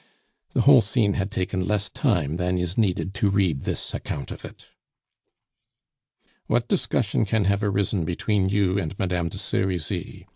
The whole scene had taken less time than is needed to read this account of it. "What discussion can have arisen between you and Madame de Serizy?"